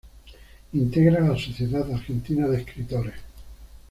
Integra la Sociedad Argentina de Escritores.